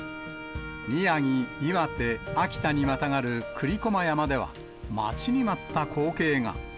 宮城、岩手、秋田にまたがる栗駒山では、待ちに待った光景が。